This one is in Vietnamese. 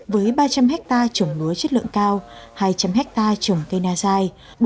với ba trăm linh hectare trồng lúa chất lượng cao hai trăm linh hectare trồng cây na dài